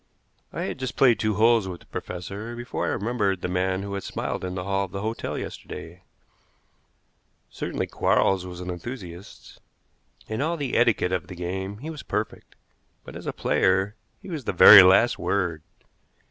I had just played two holes with the professor before I remembered the man who had smiled in the hall of the hotel yesterday. Certainly Quarles was an enthusiast. In all the etiquette of the game he was perfect, but as a player he was the very last word.